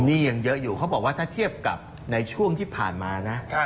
ยังเยอะอยู่เขาบอกว่าถ้าเทียบกับในช่วงที่ผ่านมานะ